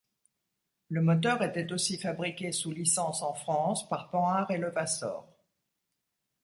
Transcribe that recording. Le moteur était aussi fabriqué sous licence en France par Panhard et Levassor.